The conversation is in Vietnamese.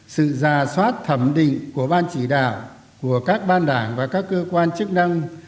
sự ra soát thẩm định của ban chỉ đạo của các ban đảng và các cơ quan chức năng